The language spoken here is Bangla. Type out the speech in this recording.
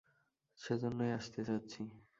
সে জন্যেই আসতে চাচ্ছি।